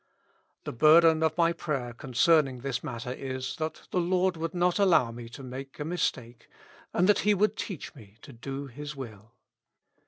The bur den of my prayer concerning this matter is, that the Lord would not allow me to make a mistake, and that He would teach me to do His will.